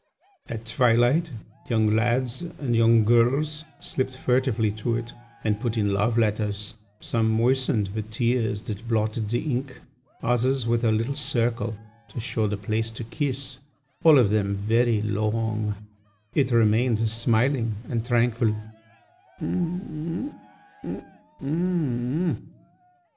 "At twilight, young lads and young girls slipped furtively to it, and put in love letters, some moistened with tears that blotted the ink, others with a little circle to show the place to kiss, all of them very long. It remained smiling and tranquil.